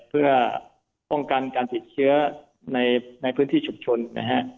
เพื่อป้องกันการติดเชื้อในพื้นที่ชุมชนนะฮะ